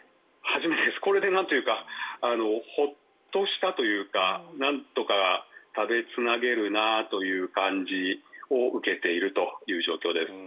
これでなんというかほっとしたというかなんとか食べつなげるなという感じを受けているという状況です。